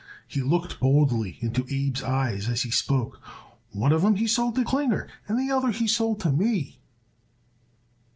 He looked boldly into Abe's eyes as he spoke. "One of 'em he sold to Sol Klinger and the other he sold to me."